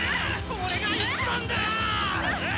俺が一番だ！